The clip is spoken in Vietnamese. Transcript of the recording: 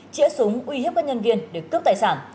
chĩa súng uy hiếp các nhân viên để cướp tài sản